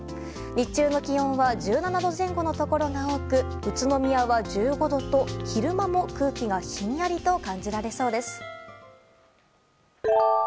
日中の気温は１７度前後のところが多く宇都宮は１５度と、昼間も空気がひんやりと感じられそうです。